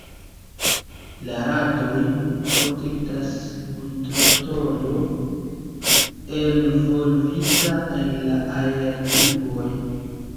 La radojn protektas gudro-tolo, envolvita en la aertuboj.